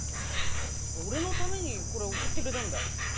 俺のためにこれ送ってくれたんだよ。